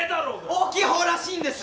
大きいほうらしいんです！